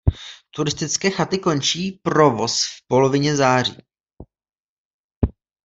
Turistické chaty končí provoz v polovině září.